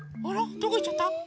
どこいっちゃった？